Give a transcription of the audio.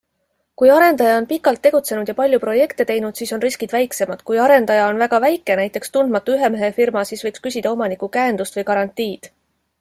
Kui arendaja on pikalt tegutsenud ja palju projekte teinud, siis on riskid väiksemad, kui arendaja on väga väike, näiteks tundmatu ühemehefirma, siis võiks küsida omaniku käendust või garantiid.